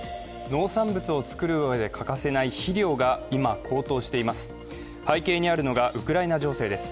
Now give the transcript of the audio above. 農産物を作るうえで欠かせない肥料が、今、高騰しています。